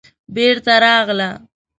بېرته راغله.